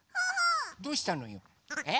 どうしたのよ？え？